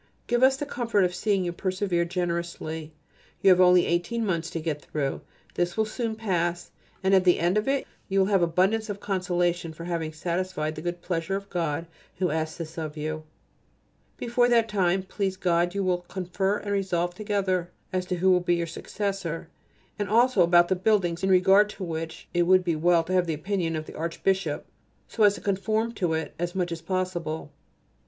Give us the comfort of seeing you persevere generously. You have only eighteen months to get through. It will soon pass, and at the end of it you will have abundance of consolation for having satisfied the good pleasure of God who asks this of you. Before that time, please God you will confer and resolve together as to who is to be your successor, and also about the buildings in regard to which it would be well to have the opinion of the Archbishop so as to conform to it as much as possible....